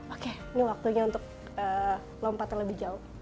oke ini waktunya untuk lompat terlebih jauh